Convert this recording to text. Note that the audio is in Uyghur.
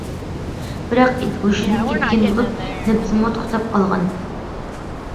بىراق ئىت ھوشىدىن كەتكەن بولۇپ، نەپىسىمۇ توختاپ قالغان.